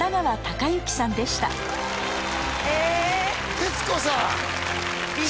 徹子さん！